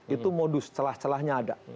itu modus celah celahnya ada